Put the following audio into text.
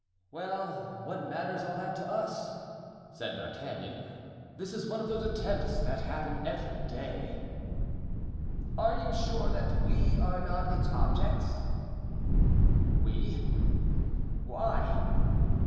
"Well, what matters all that to us?" said D'Artagnan. "This is one of those attempts that happen every day." "Are you sure that we are not its objects?" "We? Why?"